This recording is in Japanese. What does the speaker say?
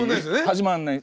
始まんない。